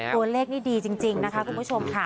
ตัวเลขนี่ดีจริงนะคะคุณผู้ชมค่ะ